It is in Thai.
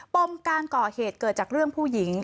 ปมการก่อเหตุเกิดจากเรื่องผู้หญิง